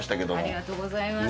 ありがとうございます。